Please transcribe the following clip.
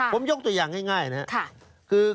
ผมยกตัวอย่างง่ายนะครับ